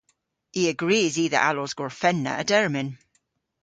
I a grys i dhe allos gorfenna a-dermyn.